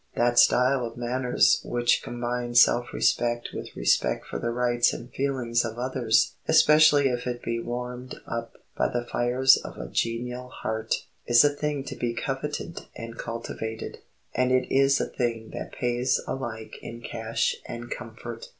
That style of manners which combines self respect with respect for the rights and feelings of others, especially if it be warmed up by the fires of a genial heart, is a thing to be coveted and cultivated, and it is a thing that pays alike in cash and comfort.